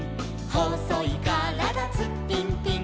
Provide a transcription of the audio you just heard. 「ほそいからだツッピンピン」